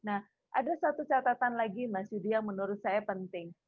nah ada satu catatan lagi mas yudi yang menurut saya penting